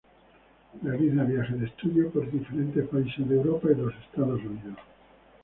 Realiza viajes de estudio por diferentes países de Europa y los Estados Unidos.